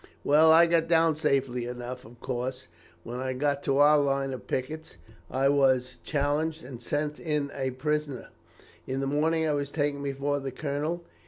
"Well, I got down safely enough. Of course, when I got to our line of pickets, I was challenged, and sent in a prisoner. In the morning I was taken before the colonel.